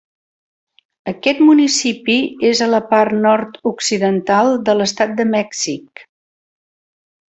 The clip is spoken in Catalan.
Aquest municipi és a la part nord-occidental de l'estat de Mèxic.